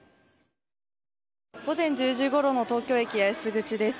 午前１０時ごろの東京駅八重洲口です。